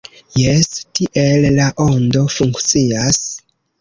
Jes, tiel La Ondo funkcias.